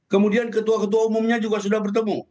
kemudian ketua ketua umumnya juga sudah bertemu